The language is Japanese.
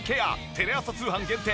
テレ朝通販限定